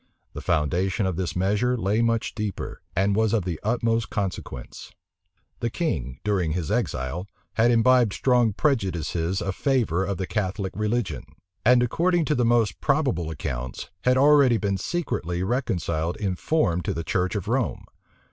The foundation of this measure lay much deeper, and was of the utmost consequence. The king, during his exile, had imbibed strong prejudices a favor of the Catholic religion; and, according to the most probable accounts, had already been secretly reconciled in form to the church of Rome.